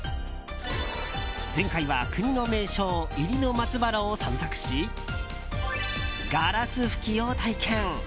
前回は国の名勝入野松原を散策しガラス吹きを体験。